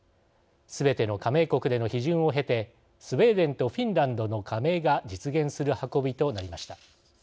すべての加盟国での批准を経てスウェーデンとフィンランドの加盟が実現する運びとなりました。